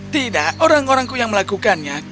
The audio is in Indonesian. tidak orang orangku yang melakukannya